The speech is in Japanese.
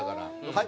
はい？